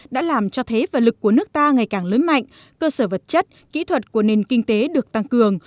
đã làm cho thế và lực của nước ta ngày càng lớn mạnh cơ sở vật chất kỹ thuật của nền kinh tế được tăng cường